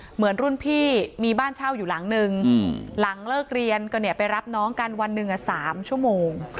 เหมือนรุ่นพี่มีบ้านเช่าอยู่หลังนึงหลังเลิกเรียนก็ไปรับน้องกันวันหนึ่ง๓ชั่วโมง